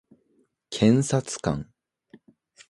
検察官